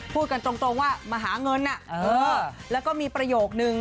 พูดกันตรงว่ามาหาเงินแล้วก็มีประโยคนึง